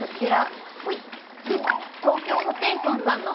東京ホテイソンさんの漫才です。